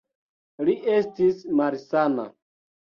Li estis malsana.